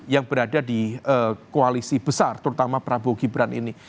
yang berada di koalisi besar terutama prabowo gibran ini